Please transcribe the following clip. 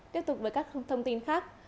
tiếp tục với các thông tin khác